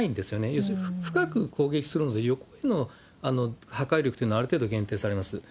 要するに深く攻撃するので、横への破壊力というのはある程度限定されます。